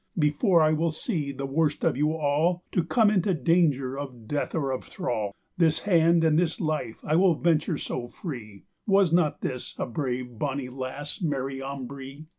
"Before I will see the worst of you all To come into danger of death or of thrall, This hand and this life I will venture so free:" Was not this a brave bonny lasse, Mary Ambree?